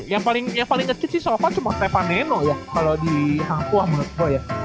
yang paling kecil sih so far cuma stepan neno ya kalo di hang tuah menurut gue ya